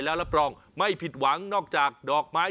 แก้ปัญหาผมร่วงล้านบาท